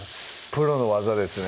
プロの技ですね